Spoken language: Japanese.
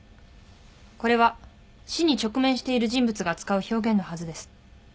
これは死に直面している人物が使う表現のはずです。